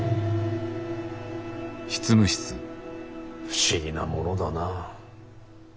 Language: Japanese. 不思議なものだな。